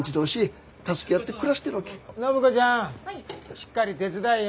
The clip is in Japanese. しっかり手伝えよ。